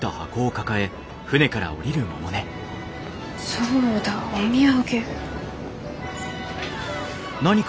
そうだお土産。